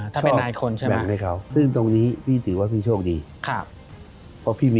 ถ้าเป็น๙คนใช่ไหม